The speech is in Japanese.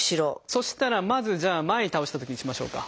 そしたらまずじゃあ前に倒したときにしましょうか。